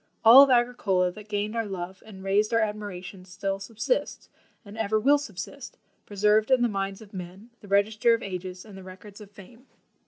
All of Agricola that gained our love and raised our admiration still subsists, and ever will subsist, preserved in the minds of men, the register of ages and the records of fame."